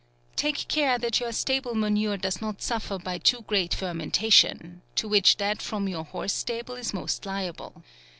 Take care that your stable manure does not suffer by too great fermentation, to which that from your horse stable is most liable.